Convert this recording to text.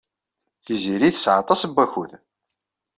Tiziri tesɛa aṭas n wakud.